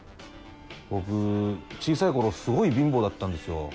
僕小さい頃すごい貧乏だったんですよ。